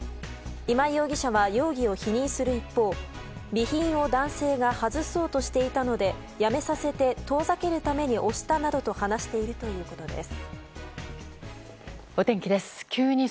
今井容疑者は容疑を否認する一方備品を男性が外そうとしていたのでやめさせて遠ざけるために押したなどと話しているということです。